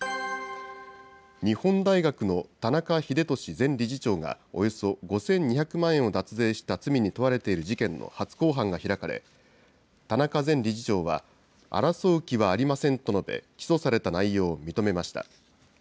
日本大学の田中英壽前理事長が、およそ５２００万円を脱税した罪に問われている事件の初公判が開かれ、田中前理事長は、争う気はありませんと述べ、起訴された内容を認めました。